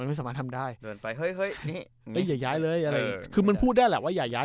ไม่สามารถทำได้เดินไปเฮ้ยเฮ้ยอย่าย้ายเลยอะไรคือมันพูดได้แหละว่าอย่าย้าย